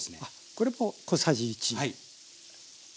これも小さじ１。